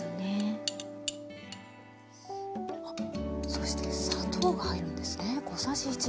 そして砂糖が入るんですね。